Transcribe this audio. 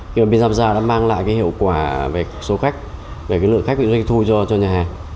giamgia đã mang lại hiệu quả về số khách về lượng khách bị doanh thu cho nhà hàng